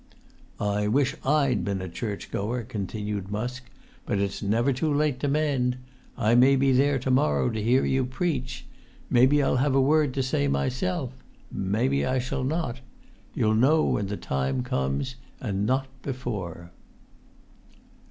"I wish I'd been a church goer," continued Musk; "but it's never too late to mend! I may be there to morrow to hear you preach; maybe I'll have a word to say myself; maybe I shall not. You'll know when the time comes, and not before."